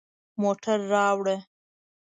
موټر راوړه